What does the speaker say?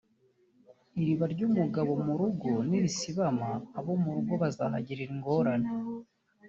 Iriba ry’umugabo mu rugo nirisibama ab’urugo bazahagirira ingorane